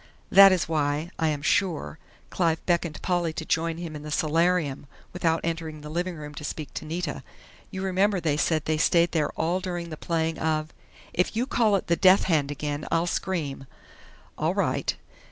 That is why, I am sure, Clive beckoned Polly to join him in the solarium, without entering the living room to speak to Nita. You remember they said they stayed there all during the playing of " "If you call it the 'death hand' again, I'll scream!" "All right....